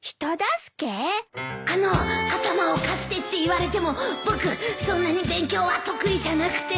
あの頭を貸してって言われても僕そんなに勉強は得意じゃなくて